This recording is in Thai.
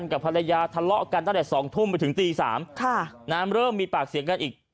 กับภรรยาทะเลาะกันตั้งแต่สองทุ่มไปถึงตีสามค่ะน้ำเริ่มมีปากเสกกันอีก